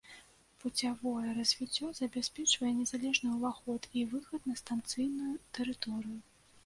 Пуцявое развіццё забяспечвае незалежны ўваход і выхад на станцыйную тэрыторыю.